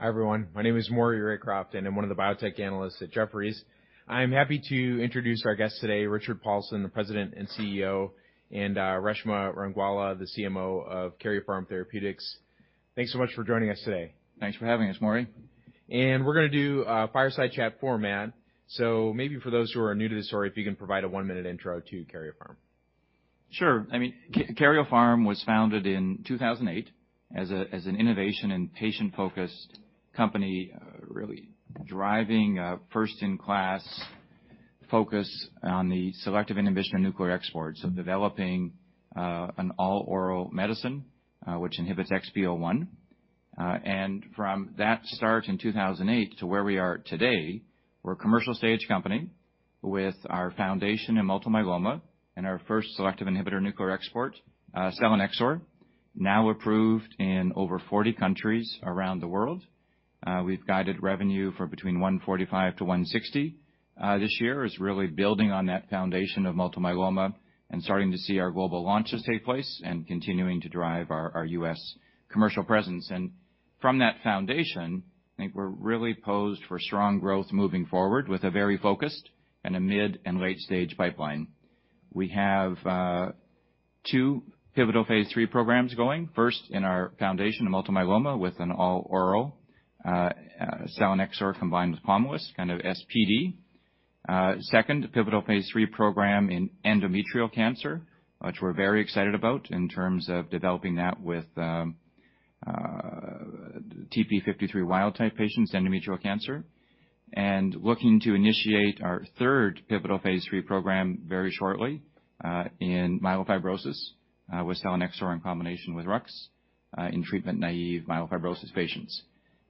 Hi, everyone. My name is Maury Raycroft, and I'm one of the biotech analysts at Jefferies. I'm happy to introduce our guest today, Richard Paulson, the President and CEO, and Reshma Rangwala, the CMO of Karyopharm Therapeutics. Thanks so much for joining us today. Thanks for having us, Maury. We're gonna do a fireside chat format. Maybe for those who are new to the story, if you can provide a one-minute intro to Karyopharm? Sure. I mean, Karyopharm was founded in 2008 as an innovation and patient-focused company, really driving a first-in-class focus on the selective inhibition of nuclear export. Developing an all-oral medicine which inhibits XPO1. From that start in 2008 to where we are today, we're a commercial stage company with our foundation in multiple myeloma and our first selective inhibitor nuclear export, selinexor, now approved in over 40 countries around the world. We've guided revenue for between $145-$160 this year is really building on that foundation of multiple myeloma and starting to see our global launches take place and continuing to drive our U.S. commercial presence. From that foundation, I think we're really posed for strong growth moving forward with a very focused and a mid- and late-stage pipeline. We have 2 pivotal phase III programs going. First, in our foundation in multiple myeloma with an all-oral selinexor combined with POMALYST, kind of SPD. Second, pivotal phase III program in endometrial cancer, which we're very excited about in terms of developing that with TP53 wild-type patients, endometrial cancer, and looking to initiate our 3rd pivotal phase III program very shortly in myelofibrosis with selinexor in combination with Rux in treatment-naive myelofibrosis patients.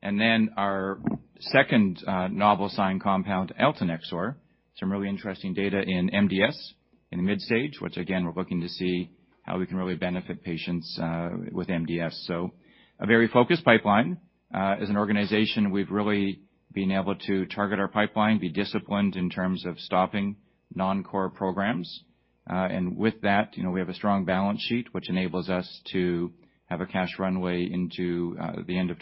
Our second novel SINE compound, eltanexor, some really interesting data in MDS in the mid stage, which, again, we're looking to see how we can really benefit patients with MDS. A very focused pipeline. As an organization, we've really been able to target our pipeline, be disciplined in terms of stopping non-core programs. With that, you know, we have a strong balance sheet, which enables us to have a cash runway into the end of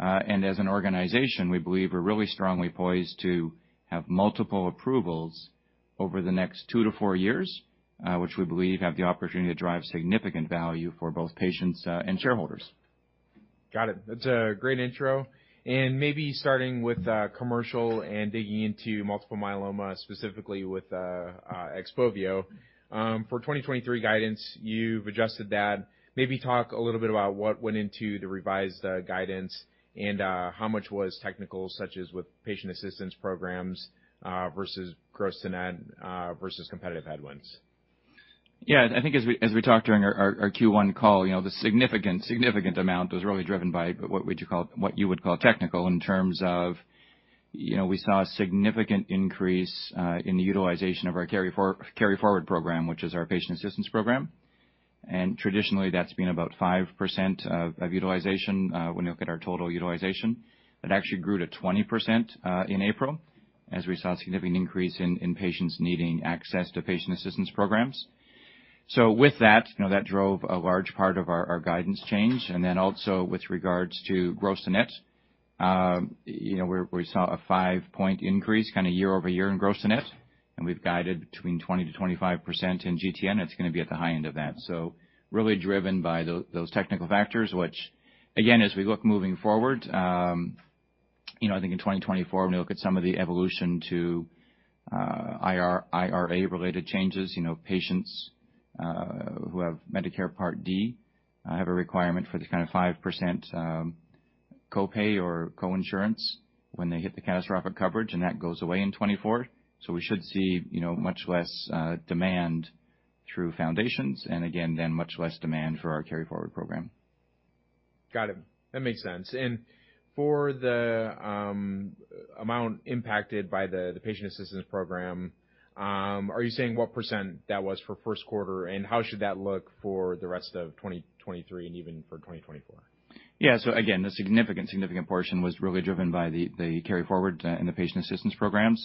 2025. As an organization, we believe we're really strongly poised to have multiple approvals over the next 2 years-4 years, which we believe have the opportunity to drive significant value for both patients and shareholders. Got it. That's a great intro. Maybe starting with commercial and digging into multiple myeloma, specifically with XPOVIO. For 2023 guidance, you've adjusted that. Maybe talk a little bit about what went into the revised guidance and how much was technical, such as with patient assistance programs, versus gross to net, versus competitive headwinds. Yeah, I think as we talked during our Q1 call, you know, the significant amount was really driven by what you would call technical in terms of, you know, we saw a significant increase in the utilization of our KaryoForward program, which is our patient assistance program. Traditionally, that's been about 5% of utilization when you look at our total utilization. It actually grew to 20% in April, as we saw a significant increase in patients needing access to patient assistance programs. With that, you know, that drove a large part of our guidance change. Also with regards to gross-to-net, you know, we saw a 5-point increase, kinda year-over-year in gross-to-net. We've guided between 20%-25% in GTN. It's gonna be at the high end of that. Really driven by those technical factors, which, again, as we look moving forward, you know, I think in 2024, when you look at some of the evolution to IRA-related changes, you know, patients who have Medicare Part D have a requirement for the kind of 5% copay or coinsurance when they hit the catastrophic coverage. That goes away in 2024. We should see, you know, much less demand through Foundation Medicine and again, then much less demand for our KaryForward program. Got it. That makes sense. For the amount impacted by the patient assistance program, are you saying what % that was for first quarter, and how should that look for the rest of 2023 and even for 2024? Yeah. Again, the significant portion was really driven by the KaryForward and the patient assistance program.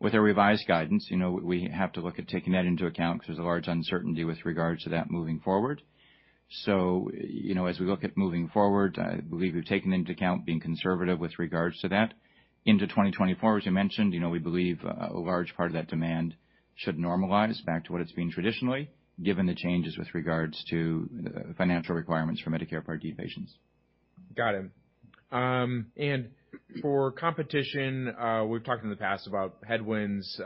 With our revised guidance, you know, we have to look at taking that into account because there's a large uncertainty with regards to that moving forward. You know, as we look at moving forward, I believe we've taken into account being conservative with regards to that. Into 2024, as you mentioned, you know, we believe a large part of that demand should normalize back to what it's been traditionally, given the changes with regards to the financial requirements for Medicare Part D patients. Got it. For competition, we've talked in the past about headwinds,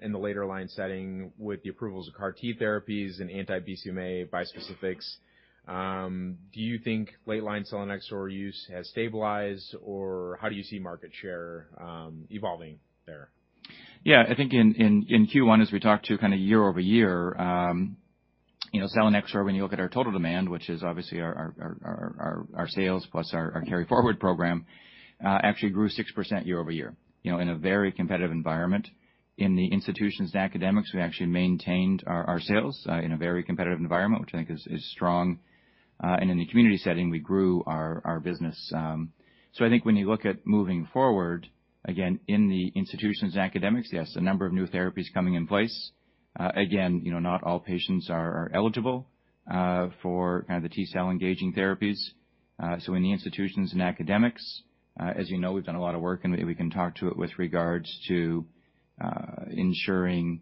in the later line setting with the approvals of CAR T therapies and anti-BCMA bispecifics. Do you think late line selinexor use has stabilized, or how do you see market share evolving there? Yeah, I think in Q1, as we talked to kind of year-over-year, you know, selinexor, when you look at our total demand, which is obviously our sales plus our KaryForward program, actually grew 6% year-over-year. You know, in a very competitive environment. In the institutions and academics, we actually maintained our sales, in a very competitive environment, which I think is strong. In the community setting, we grew our business. I think when you look at moving forward, again, in the institutions and academics, yes, a number of new therapies coming in place. Again, you know, not all patients are eligible for kind of the T-cell engaging therapies. In the institutions and academics, as you know, we've done a lot of work, and we can talk to it with regards to ensuring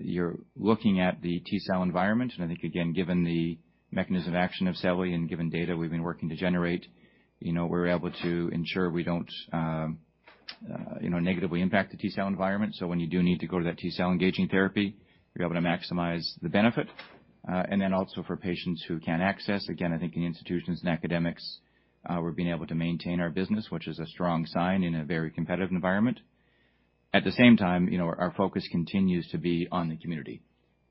you're looking at the T-cell environment. I think, again, given the mechanism of action of seline and given data we've been working to generate, you know, we're able to ensure we don't, you know, negatively impact the T-cell environment. When you do need to go to that T-cell engaging therapy, you're able to maximize the benefit. Also for patients who can't access, again, I think in institutions and academics, we're being able to maintain our business, which is a strong sign in a very competitive environment. At the same time, you know, our focus continues to be on the community,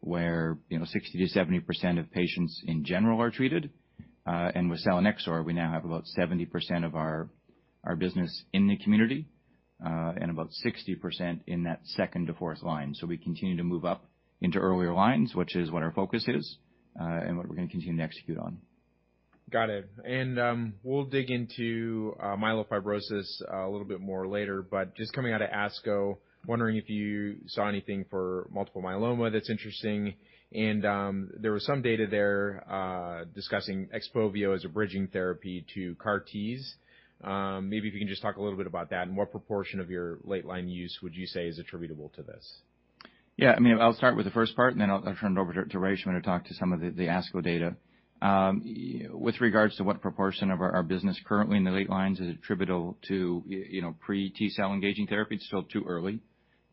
where, you know, 60%-70% of patients in general are treated. With selinexor, we now have about 70% of our business in the community, and about 60% in that second to fourth line. We continue to move up into earlier lines, which is what our focus is, and what we're gonna continue to execute on. Got it. We'll dig into myelofibrosis a little bit more later. Just coming out of ASCO, wondering if you saw anything for multiple myeloma that's interesting. There was some data there discussing XPOVIO as a bridging therapy to CAR-Ts. Maybe if you can just talk a little bit about that, and what proportion of your late line use would you say is attributable to this? I mean, I'll start with the first part. I'll turn it over to Reshma to talk to some of the ASCO data. With regards to what proportion of our business currently in the late lines is attributable to, you know, pre-T-cell engaging therapy, it's still too early,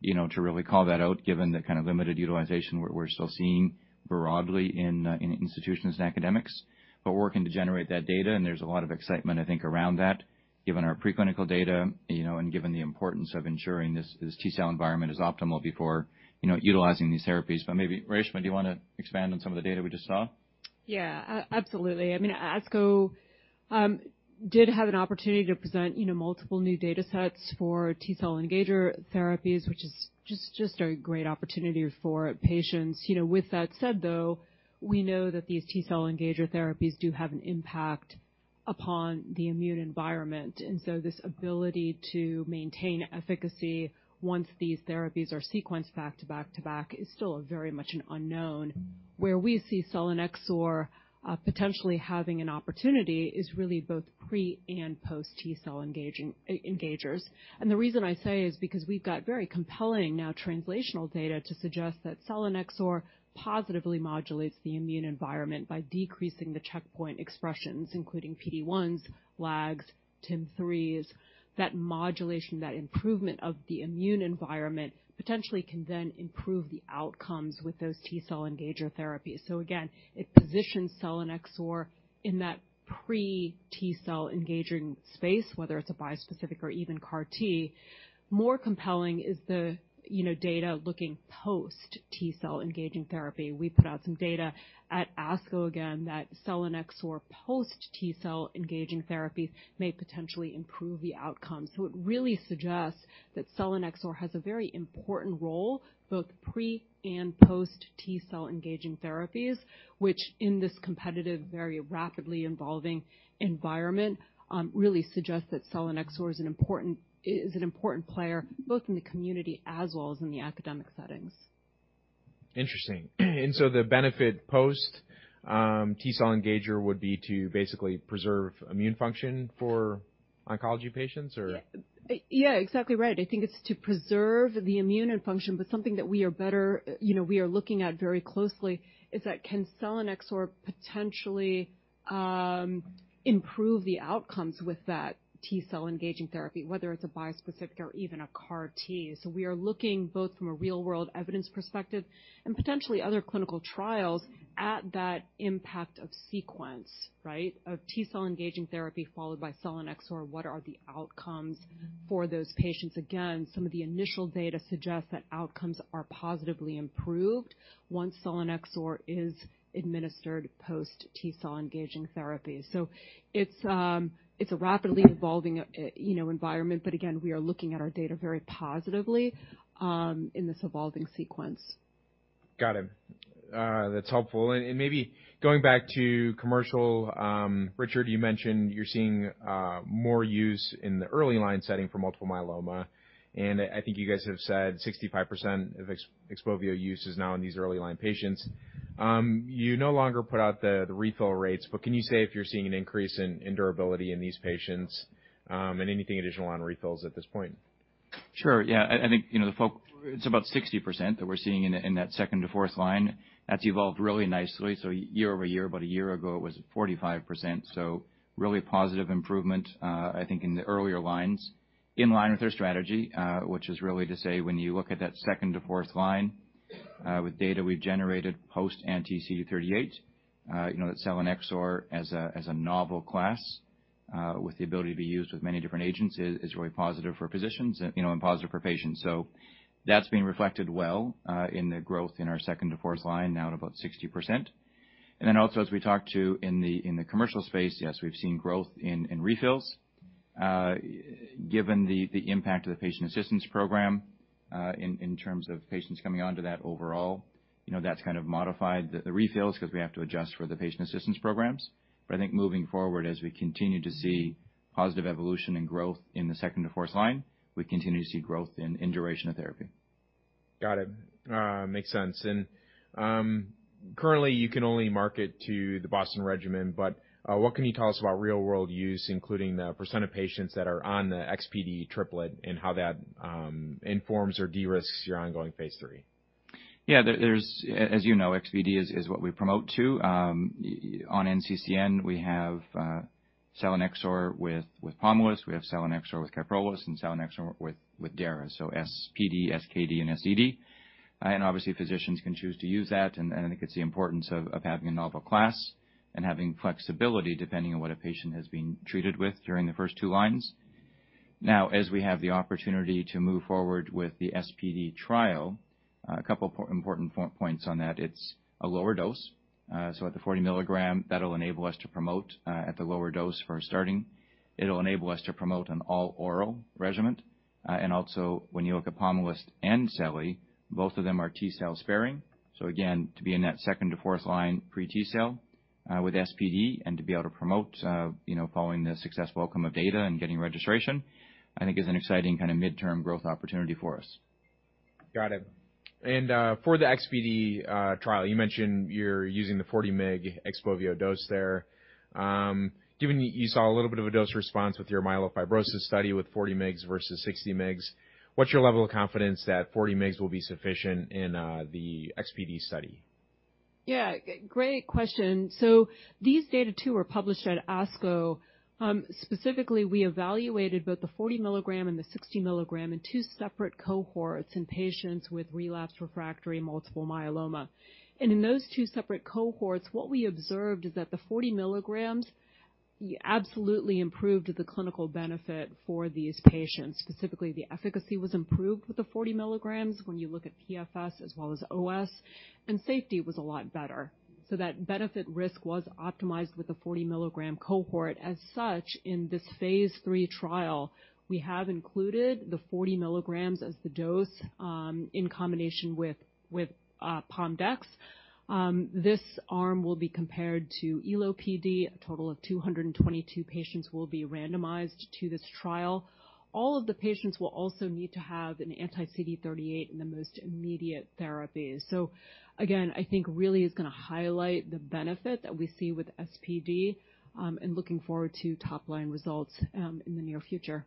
you know, to really call that out, given the kind of limited utilization we're still seeing broadly in institutions and academics. We're working to generate that data. There's a lot of excitement, I think, around that, given our preclinical data, you know, given the importance of ensuring this T-cell environment is optimal before, you know, utilizing these therapies. Maybe, Reshma, do you wanna expand on some of the data we just saw? Yeah, absolutely. I mean, ASCO did have an opportunity to present, you know, multiple new data sets for T-cell engager therapies, which is just a great opportunity for patients. You know, with that said, though, we know that these T-cell engager therapies do have an impact upon the immune environment, and so this ability to maintain efficacy once these therapies are sequenced back to back to back, is still a very much an unknown. Where we see Selinexor potentially having an opportunity is really both pre- and post-T cell engaging engagers. The reason I say is because we've got very compelling now translational data to suggest that Selinexor positively modulates the immune environment by decreasing the checkpoint expressions, including PD-1s, LAGs, TIM3s. That modulation, that improvement of the immune environment, potentially can then improve the outcomes with those T-cell engager therapies. Again, it positions selinexor in that pre-T cell engaging space, whether it's a bispecific or even CAR T. More compelling is the, you know, data looking post T-cell engaging therapy. We put out some data at ASCO again, that selinexor post-T cell engaging therapies may potentially improve the outcomes. It really suggests that selinexor has a very important role, both pre- and post-T cell engaging therapies, which in this competitive, very rapidly evolving environment, really suggests that selinexor is an important player, both in the community as well as in the academic settings. Interesting. The benefit post T-cell engager would be to basically preserve immune function for oncology patients, or? Exactly right. I think it's to preserve the immune function. You know, we are looking at very closely, is that can selinexor potentially improve the outcomes with that T-cell engaging therapy, whether it's a bispecific or even a CAR T? We are looking both from a real-world evidence perspective and potentially other clinical trials at that impact of sequence, right? Of T-cell engaging therapy followed by selinexor, what are the outcomes for those patients? Some of the initial data suggests that outcomes are positively improved once selinexor is administered post T-cell engaging therapy. It's a rapidly evolving, you know, environment, but again, we are looking at our data very positively in this evolving sequence. Got it. That's helpful. Maybe going back to commercial, Richard, you mentioned you're seeing more use in the early line setting for multiple myeloma, and I think you guys have said 65% of XPOVIO use is now in these early line patients. You no longer put out the refill rates, but can you say if you're seeing an increase in durability in these patients, and anything additional on refills at this point? Sure. Yeah, I think, you know, it's about 60% that we're seeing in that second to fourth line. That's evolved really nicely. Year-over-year, about a year ago, it was 45%, really positive improvement, I think in the earlier lines, in line with our strategy, which is really to say, when you look at that second to fourth line, with data we've generated post anti-CD38, you know, that selinexor as a, as a novel class, with the ability to be used with many different agents is really positive for physicians and, you know, and positive for patients. That's being reflected well, in the growth in our second to fourth line, now at about 60%. Also, as we talked to in the commercial space, yes, we've seen growth in refills, given the impact of the patient assistance program, in terms of patients coming onto that overall. You know, that's kind of modified the refills because we have to adjust for the patient assistance programs. I think moving forward, as we continue to see positive evolution and growth in the second to fourth line, we continue to see growth in duration of therapy. Got it. makes sense. currently, you can only market to the Boston regimen, but what can you tell us about real-world use, including the % of patients that are on the XPd triplet, and how that informs or de-risks your ongoing phase III? There's, as you know, XPd is what we promote to. On NCCN, we have selinexor with pomalidomide, we have selinexor with Kyprolis, and selinexor with daratumumab. SPD, SKD, and SED. Obviously, physicians can choose to use that, and I think it's the importance of having a novel class and having flexibility depending on what a patient has been treated with during the first two lines. As we have the opportunity to move forward with the SPD trial, a couple of important points on that, it's a lower dose, so at the 40 mg, that'll enable us to promote at the lower dose for starting. It'll enable us to promote an all-oral regimen. When you look at Pomalyst and Seli, both of them are T-cell sparing. Again, to be in that second to fourth line pre-T cell, with SPD and to be able to promote, you know, following the successful outcome of data and getting registration, I think is an exciting kind of midterm growth opportunity for us. Got it. For the XPd trial, you mentioned you're using the 40 mg Expo dose there. Given you saw a little bit of a dose response with your myelofibrosis study with 40 mgs versus 60 mgs, what's your level of confidence that 40 mgs will be sufficient in the XPd study? Yeah, great question. These data, too, were published at ASCO. Specifically, we evaluated both the 40 mg and the 60 mg in two separate cohorts in patients with relapsed refractory multiple myeloma. In those two separate cohorts, what we observed is that the 40 mgs absolutely improved the clinical benefit for these patients. Specifically, the efficacy was improved with the 40 mgs when you look at PFS as well as OS, and safety was a lot better. That benefit risk was optimized with the 40-mg cohort. As such, in this phase III trial, we have included the 40 mgs as the dose in combination with Pom-dex. This arm will be compared to EloPD. A total of 222 patients will be randomized to this trial. All of the patients will also need to have an anti-CD38 in the most immediate therapies. Again, I think really is going to highlight the benefit that we see with SPD, and looking forward to top-line results in the near future.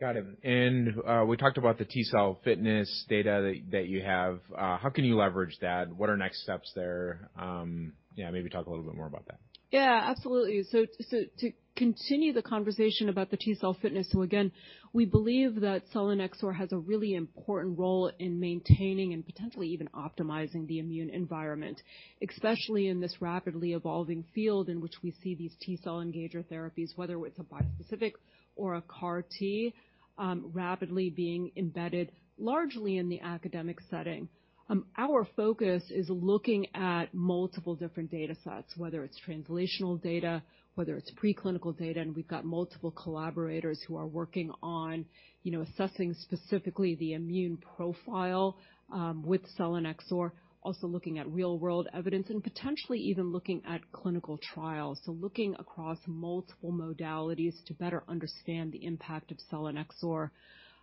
Got it. We talked about the T cell fitness data that you have. How can you leverage that? What are next steps there? Yeah, maybe talk a little bit more about that. Yeah, absolutely. To continue the conversation about the T cell fitness, again, we believe that selinexor has a really important role in maintaining and potentially even optimizing the immune environment, especially in this rapidly evolving field in which we see these T cell engager therapies, whether it's a bispecific or a CAR T, rapidly being embedded largely in the academic setting. Our focus is looking at multiple different data sets, whether it's translational data, whether it's preclinical data, and we've got multiple collaborators who are working on, you know, assessing specifically the immune profile with selinexor, also looking at real-world evidence and potentially even looking at clinical trials. Looking across multiple modalities to better understand the impact of selinexor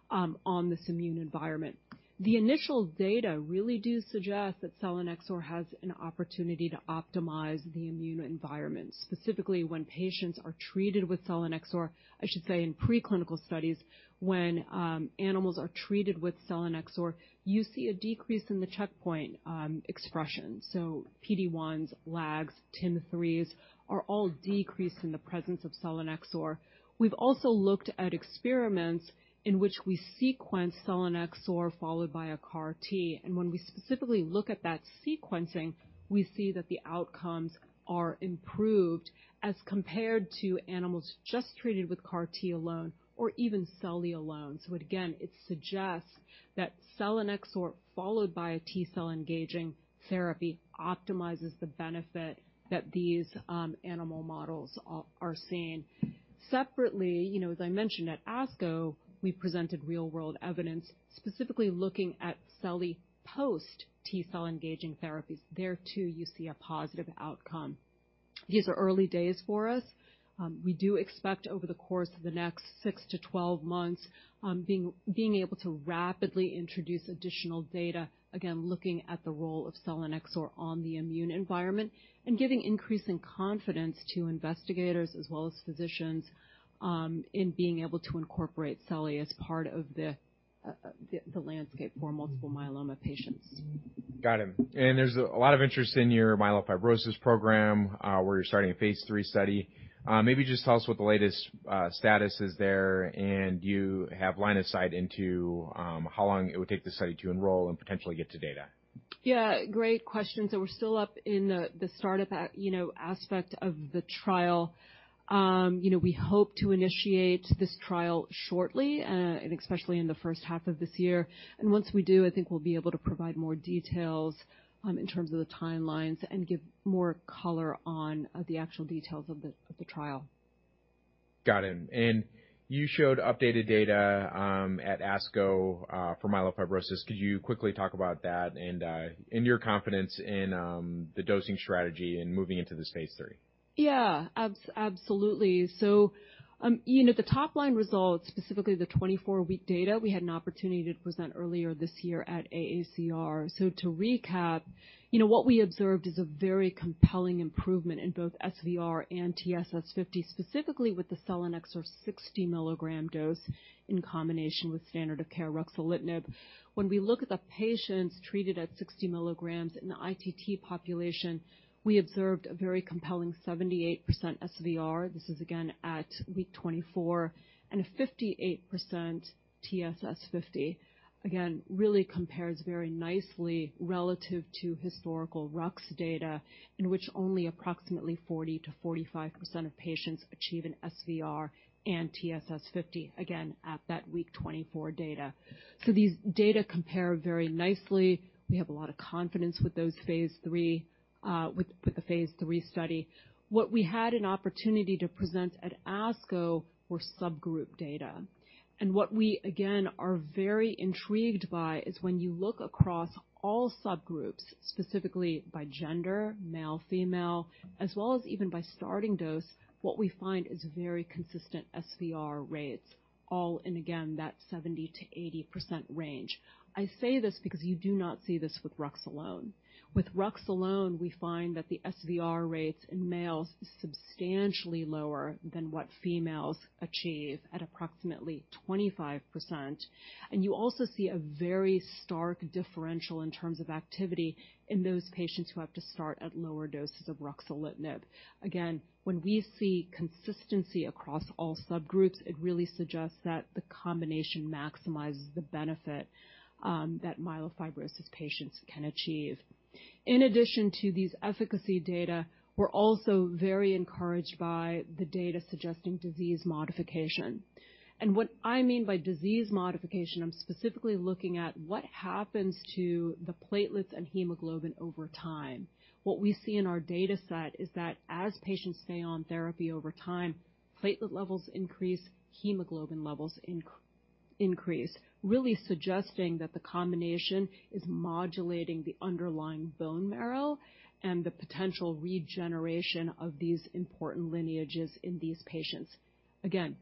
on this immune environment. The initial data really do suggest that selinexor has an opportunity to optimize the immune environment, specifically when patients are treated with selinexor. I should say, in preclinical studies, when animals are treated with selinexor, you see a decrease in the checkpoint expression. PD-1s, LAGs, TIM3s, are all decreased in the presence of selinexor. We've also looked at experiments in which we sequence selinexor, followed by a CAR T, and when we specifically look at that sequencing, we see that the outcomes are improved as compared to animals just treated with CAR T alone or even Seli alone. Again, it suggests that selinexor, followed by a T-cell engaging therapy, optimizes the benefit that these animal models are seeing. Separately, you know, as I mentioned at ASCO, we presented real-world evidence, specifically looking at Seli post-T cell engaging therapies. There, too, you see a positive outcome. These are early days for us. We do expect over the course of the next 6 to 12 months, being able to rapidly introduce additional data, again, looking at the role of Selinexor on the immune environment and giving increasing confidence to investigators as well as physicians, in being able to incorporate Seli as part of the landscape for multiple myeloma patients. Got it. There's a lot of interest in your myelofibrosis program, where you're starting a phase III study. Maybe just tell us what the latest status is there, and you have line of sight into how long it would take the study to enroll and potentially get to data? Yeah, great question. We're still up in the startup, you know, aspect of the trial. You know, we hope to initiate this trial shortly, and especially in the first half of this year. Once we do, I think we'll be able to provide more details, in terms of the timelines and give more color on, the actual details of the, of the trial. Got it. You showed updated data, at ASCO, for myelofibrosis. Could you quickly talk about that and your confidence in the dosing strategy in moving into this phase III? Yeah, absolutely. You know, the top-line results, specifically the 24-week data, we had an opportunity to present earlier this year at AACR. To recap, you know, what we observed is a very compelling improvement in both SVR and TSS50, specifically with the selinexor 60 mg dose in combination with standard of care, ruxolitinib. When we look at the patients treated at 60 mgs in the ITT population, we observed a very compelling 78% SVR. This is again at week 24, and a 58% TSS50. Again, really compares very nicely relative to historical RUX data, in which only approximately 40%-45% of patients achieve an SVR and TSS50, again, at that week 24 data. These data compare very nicely. We have a lot of confidence with those phase III, with the phase III study. What we had an opportunity to present at ASCO were subgroup data. What we, again, are very intrigued by is when you look across all subgroups, specifically by gender, male, female, as well as even by starting dose, what we find is very consistent SVR rates, all in, again, that 70%-80% range. I say this because you do not see this with RUX alone. With RUX alone, we find that the SVR rates in males is substantially lower than what females achieve at approximately 25%. You also see a very stark differential in terms of activity in those patients who have to start at lower doses of ruxolitinib. Again, when we see consistency across all subgroups, it really suggests that the combination maximizes the benefit that myelofibrosis patients can achieve. In addition to these efficacy data, we're also very encouraged by the data suggesting disease modification. What I mean by disease modification, I'm specifically looking at what happens to the platelets and hemoglobin over time. What we see in our data set is that as patients stay on therapy over time, platelet levels increase, hemoglobin levels increase, really suggesting that the combination is modulating the underlying bone marrow and the potential regeneration of these important lineages in these patients.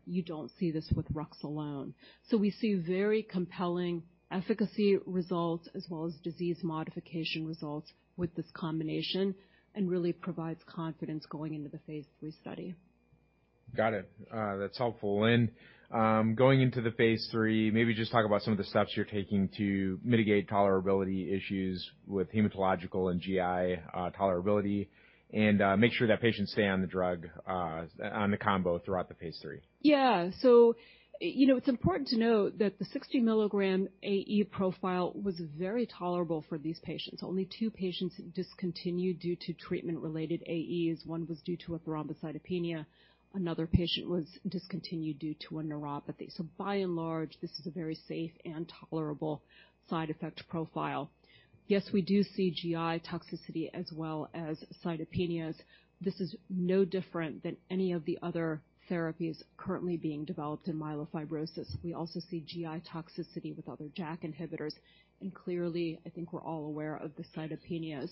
You don't see this with Rux alone. We see very compelling efficacy results as well as disease modification results with this combination, really provides confidence going into the phase III study. Got it. That's helpful. Going into the phase III, maybe just talk about some of the steps you're taking to mitigate tolerability issues with hematological and GI tolerability, and make sure that patients stay on the drug on the combo throughout the phase III. You know, it's important to note that the 60 mg AE profile was very tolerable for these patients. Only 2 patients discontinued due to treatment-related AEs. 1 was due to a thrombocytopenia, another patient was discontinued due to a neuropathy. By and large, this is a very safe and tolerable side effect profile. We do see GI toxicity as well as cytopenias. This is no different than any of the other therapies currently being developed in myelofibrosis. We also see GI toxicity with other JAK inhibitors, and clearly, I think we're all aware of the cytopenias.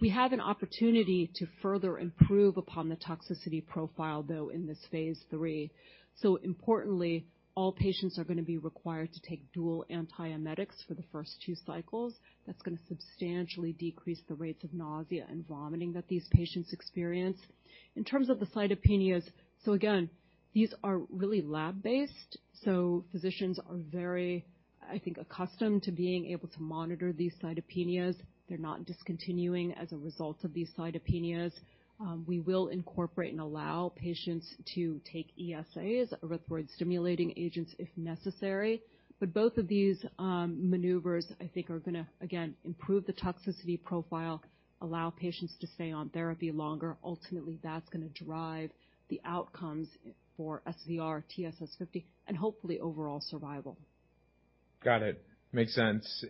We have an opportunity to further improve upon the toxicity profile, though, in this phase III. Importantly, all patients are gonna be required to take dual antiemetics for the first 2 cycles. That's gonna substantially decrease the rates of nausea and vomiting that these patients experience. In terms of the cytopenias, again, these are really lab-based, so physicians are very, I think, accustomed to being able to monitor these cytopenias. They're not discontinuing as a result of these cytopenias. We will incorporate and allow patients to take ESAs, erythropoiesis-stimulating agents, if necessary. Both of these maneuvers, I think, are gonna, again, improve the toxicity profile, allow patients to stay on therapy longer. Ultimately, that's gonna drive the outcomes for SVR, TSS50, and hopefully overall survival. Got it. Makes sense.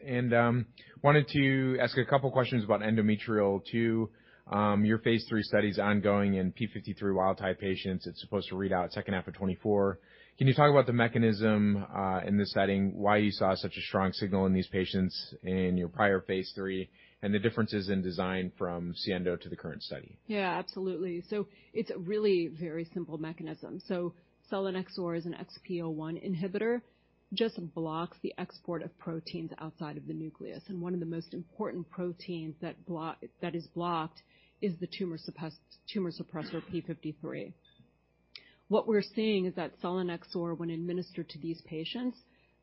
Wanted to ask a couple questions about endometrial, too. Your phase III study is ongoing in TP53 wild type patients. It's supposed to read out second half of 2024. Can you talk about the mechanism in this setting, why you saw such a strong signal in these patients in your prior phase III, and the differences in design from SIENDO to the current study? Yeah, absolutely. It's a really very simple mechanism. Selinexor is an XPO1 inhibitor, just blocks the export of proteins outside of the nucleus, and one of the most important proteins that is blocked is the tumor suppressor, P53. What we're seeing is that selinexor, when administered to these patients,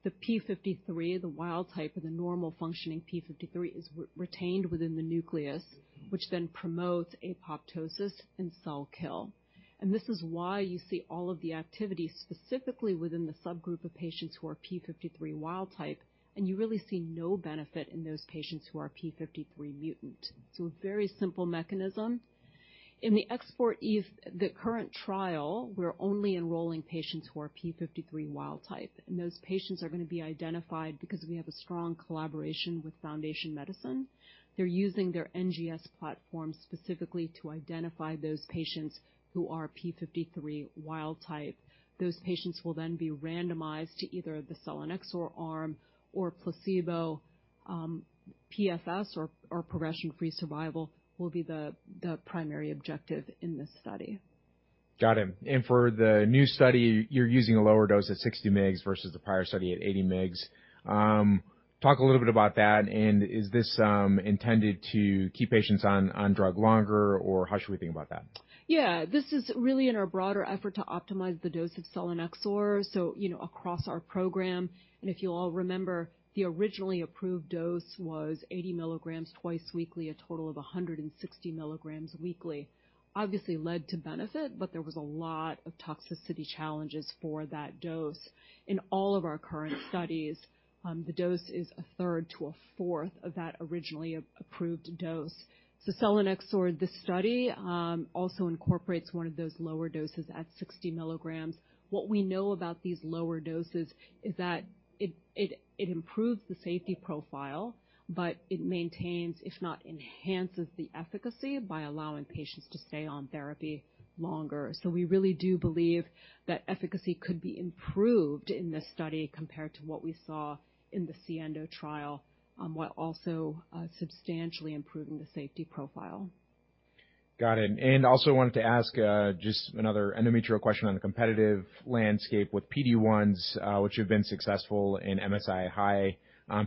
the P53, the wild type or the normal functioning P53, is retained within the nucleus, which then promotes apoptosis and cell kill. This is why you see all of the activity specifically within the subgroup of patients who are P53 wild type, and you really see no benefit in those patients who are P53 mutant. A very simple mechanism. In the current trial, we're only enrolling patients who are P53 wild type, and those patients are gonna be identified because we have a strong collaboration with Foundation Medicine. They're using their NGS platform specifically to identify those patients who are P53 wild type. Those patients will be randomized to either the selinexor arm or. PFS or progression-free survival will be the primary objective in this study. Got it. For the new study, you're using a lower dose at 60 mgs versus the prior study at 80 mgs. Talk a little bit about that, and is this intended to keep patients on drug longer, or how should we think about that? Yeah, this is really in our broader effort to optimize the dose of selinexor. you know, across our program, and if you all remember, the originally approved dose was 80 mgs twice weekly, a total of 160 mgs weekly. Obviously, led to benefit, but there was a lot of toxicity challenges for that dose. In all of our current studies, the dose is a third to a fourth of that originally approved dose. selinexor, the study, also incorporates one of those lower doses at 60 mgs. What we know about these lower doses is that it improves the safety profile, but it maintains, if not, enhances the efficacy by allowing patients to stay on therapy longer. We really do believe that efficacy could be improved in this study compared to what we saw in the SIENDO trial, while also substantially improving the safety profile. Got it. Also wanted to ask, just another endometrial question on the competitive landscape with PD-1s, which have been successful in MSI-high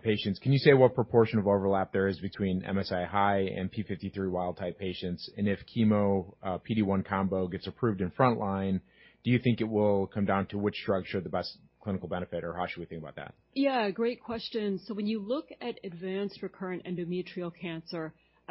patients. Can you say what proportion of overlap there is between MSI-high and TP53 wild-type patients? If chemo PD-1 combo gets approved in frontline, do you think it will come down to which drug showed the best clinical benefit, or how should we think about that? Great question. When you look at advanced recurrent endometrial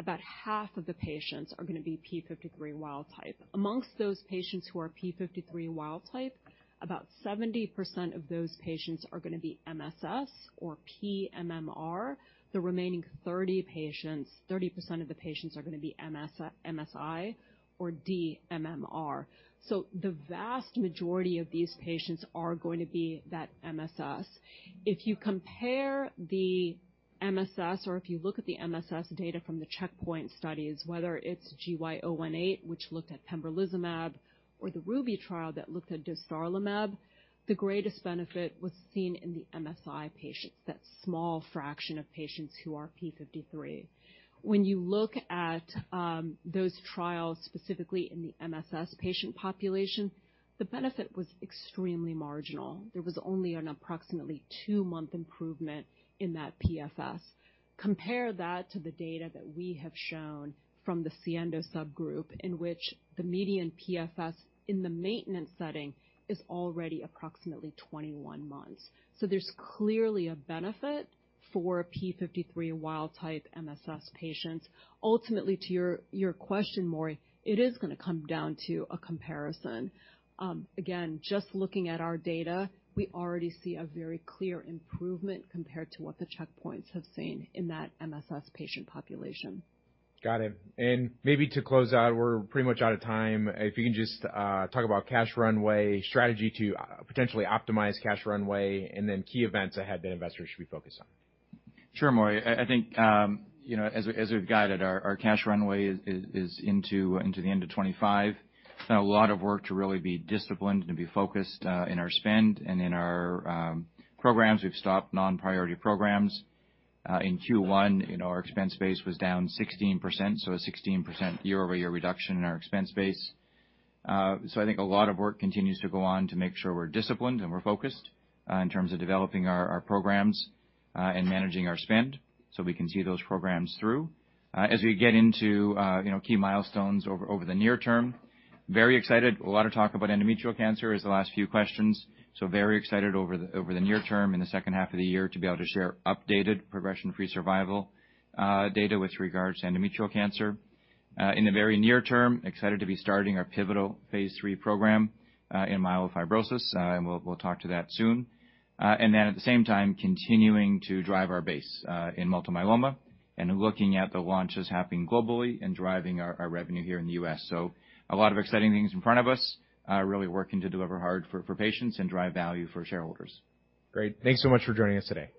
cancer, about half of the patients are gonna be P53 wild-type. Amongst those patients who are P53 wild-type, about 70% of those patients are gonna be MSS or pMMR. The remaining 30 patients, 30% of the patients are gonna be MSI or dMMR. The vast majority of these patients are going to be that MSS. If you compare the MSS, or if you look at the MSS data from the checkpoint studies, whether it's NRG-GY018, which looked at pembrolizumab, or the RUBY trial that looked at dostarlimab, the greatest benefit was seen in the MSI patients, that small fraction of patients who are P53. When you look at those trials, specifically in the MSS patient population, the benefit was extremely marginal. There was only an approximately 2-month improvement in that PFS. Compare that to the data that we have shown from the SIENDO subgroup, in which the median PFS in the maintenance setting is already approximately 21 months. There's clearly a benefit for P53 wild type MSS patients. Ultimately, to your question, Maury, it is gonna come down to a comparison. Again, just looking at our data, we already see a very clear improvement compared to what the checkpoints have seen in that MSS patient population. Got it. Maybe to close out, we're pretty much out of time. If you can just talk about cash runway, strategy to potentially optimize cash runway, key events ahead that investors should be focused on. Sure, Maury. I think, you know, as we've guided our cash runway is into the end of 2025. It's been a lot of work to really be disciplined and be focused in our spend and in our programs. We've stopped non-priority programs. In Q1, you know, our expense base was down 16%, so a 16% year-over-year reduction in our expense base. I think a lot of work continues to go on to make sure we're disciplined and we're focused in terms of developing our programs and managing our spend, so we can see those programs through. As we get into, you know, key milestones over the near term, very excited. A lot of talk about endometrial cancer as the last few questions, so very excited over the, over the near term in the second half of the year to be able to share updated progression-free survival data with regards to endometrial cancer. In the very near term, excited to be starting our pivotal phase III program in myelofibrosis, and we'll talk to that soon. And then at the same time, continuing to drive our base in multiple myeloma and looking at the launches happening globally and driving our revenue here in the U.S. A lot of exciting things in front of us, really working to deliver hard for patients and drive value for shareholders. Great. Thanks so much for joining us today.